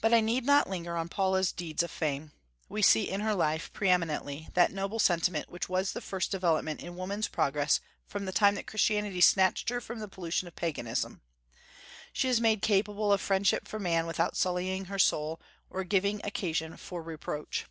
But I need not linger on Paula's deeds of fame. We see in her life, pre eminently, that noble sentiment which was the first development in woman's progress from the time that Christianity snatched her from the pollution of Paganism. She is made capable of friendship for man without sullying her soul, or giving occasion for reproach.